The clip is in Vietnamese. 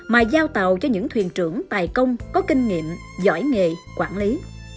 mà giao tàu cho những thuyền trưởng tài công có kinh nghiệm giỏi nghề quản lý